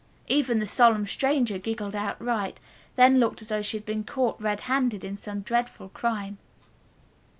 Even the solemn stranger giggled outright, then looked as though she had been caught red handed in some dreadful crime.